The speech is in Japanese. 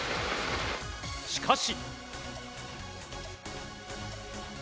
しかし。